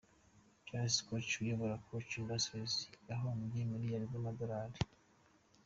Charles Koch, uyobora Koch Industries, yahombye miliyari z’amadolari.